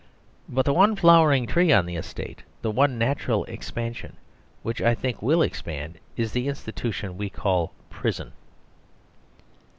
But the one flowering tree on the estate, the one natural expansion which I think will expand, is the institution we call the Prison.